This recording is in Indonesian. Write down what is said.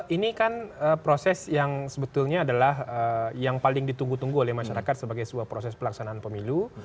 ini kan proses yang sebetulnya adalah yang paling ditunggu tunggu oleh masyarakat sebagai sebuah proses pelaksanaan pemilu